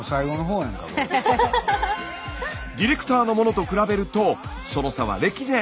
ディレクターのものと比べるとその差は歴然。